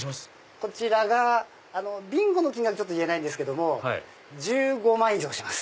こちらがビンゴの金額言えないんですけども１５万以上します。